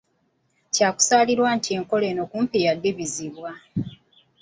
Kyakusaalirwa nti enkola eno kumpi yadibizibwa.